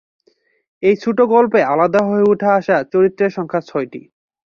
এই ছোট গল্পে আলাদা হয়ে উঠে আসা চরিত্রের সংখ্যা ছয়টি।